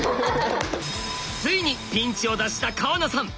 ついにピンチを脱した川名さん。